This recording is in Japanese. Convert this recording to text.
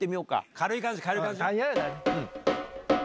軽い感じ軽い感じ。